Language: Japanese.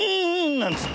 なんつって。